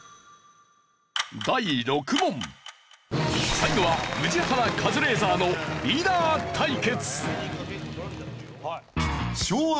最後は宇治原カズレーザーのリーダー対決。